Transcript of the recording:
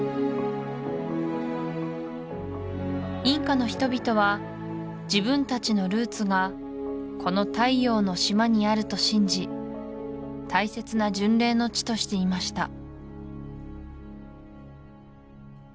インカの人々は自分たちのルーツがこの太陽の島にあると信じ大切な巡礼の地としていました